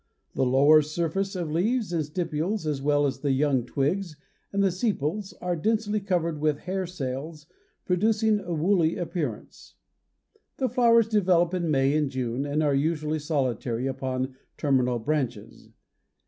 The lower surface of leaves and stipules as well as the young twigs and the sepals are densely covered with hair cells producing a woolly appearance. The flowers develop in May and June and are usually solitary upon terminal branches.